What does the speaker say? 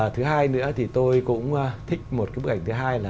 thứ hai nữa thì tôi cũng thích một cái bức ảnh thứ hai là